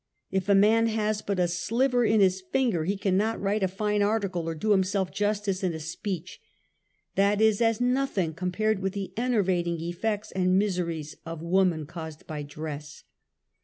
If a man has but a sliver in his finger, he cannot write a fine article or do himself justice in a speech. That is as nothing compared with the enervating eftects and miseries of woman caused by dress.